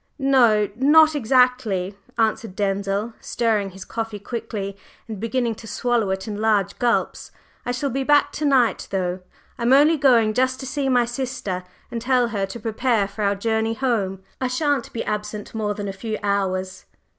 "No, not exactly," answered Denzil, stirring his coffee quickly and beginning to swallow it in large gulps. "I shall be back to night, though. I'm only going just to see my sister and tell her to prepare for our journey home. I shan't be absent more than a few hours."